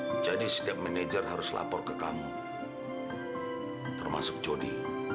hai jadi setiap manajer harus lapor ke kamu termasuk jodi